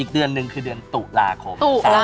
อีกเดือนนึงคือเดือนตุราคม